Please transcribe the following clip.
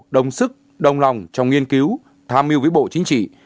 đồng sức đồng lòng trong nghiên cứu tham mưu với bộ chính trị